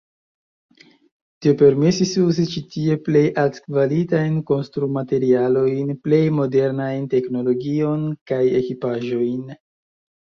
Tio permesis uzi ĉi tie plej altkvalitajn konstrumaterialojn, plej modernajn teknologion kaj ekipaĵojn.